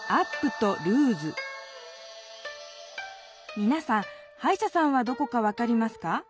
みなさんはいしゃさんはどこか分かりますか？